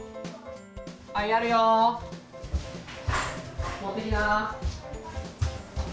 やるよ、持ってきな。